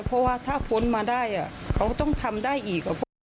เพราะว่าถ้าค้นมาได้อะเค้าต้องทำได้อีกอะ